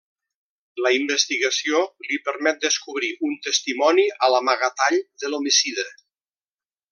La investigació li permet descobrir un testimoni a l'amagatall de l'homicida: